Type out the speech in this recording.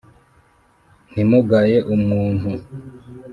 ntimugaye umuntu,